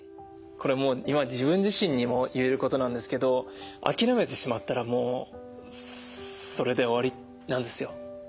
これもう今自分自身にも言えることなんですけど諦めてしまったらもうそれで終わりなんですよ。